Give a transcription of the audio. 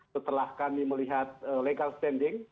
setelah kami melihat legal standing